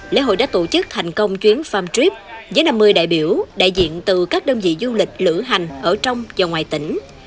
lễ hội đã tổ chức thành công chuyến farm trip với năm mươi đại biểu đại diện từ các đơn vị du lịch lửa hành ở trong và ngoài tỉnh